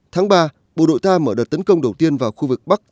tháng ba bộ đội ta mở đợt tấn công đầu tiên vào khu vực bắc